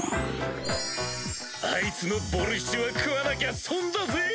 あいつのボルシチは食わなきゃ損だぜ！